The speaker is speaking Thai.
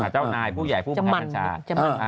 เจ้านายผู้ใหญ่ผู้จำนำ